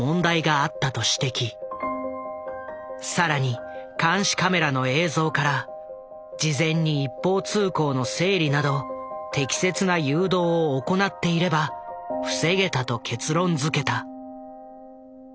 更に監視カメラの映像から事前に一方通行の整理など適切な誘導を行っていれば防げたと結論づけた。